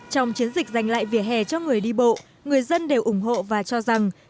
trong chiến dịch dành lại vỉa hè cho người đi bộ người dân đều ủng hộ và cho rằng